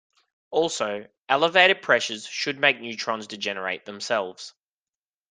Also, elevated pressures should make neutrons degenerate themselves.